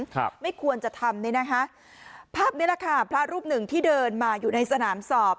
ครับไม่ควรจะทำเนี่ยนะคะภาพนี้แหละค่ะพระรูปหนึ่งที่เดินมาอยู่ในสนามสอบ